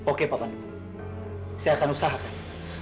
oke pak pandu saya akan usahakan